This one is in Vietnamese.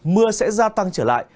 mưa sẽ gia tăng trở lại